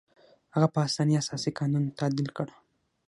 هغه په اسانۍ اساسي قانون تعدیل کړ.